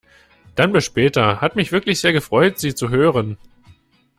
Dann bis später. Hat mich wirklich sehr gefreut Sie zu hören!